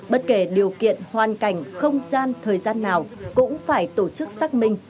bất kể điều kiện hoàn cảnh không gian thời gian nào cũng phải tổ chức xác minh